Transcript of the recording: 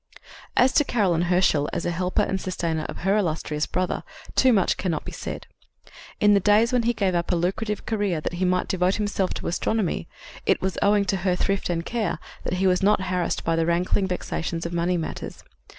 As to Caroline Herschel as a helper and sustainer of her illustrious brother, too much cannot be said. "In the days when he gave up a lucrative career that he might devote himself to astronomy, it was owing to her thrift and care that he was not harassed by the rankling vexations of money matters.